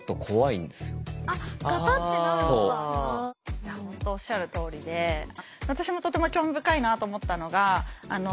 いや本当おっしゃるとおりで私もとても興味深いなと思ったのがあっ。